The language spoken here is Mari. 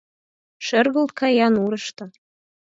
Шергылт кая нурышто